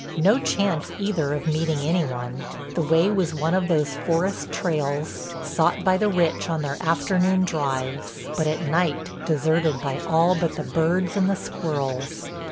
No chance either of meeting any one; the way was one of those forest trails, sought by the rich on their afternoon drives, but at night deserted by all but the birds and the squirrels.